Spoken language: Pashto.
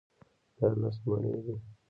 دا لس مڼې دي.